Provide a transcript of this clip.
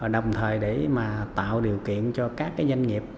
đồng thời để tạo điều kiện cho các doanh nghiệp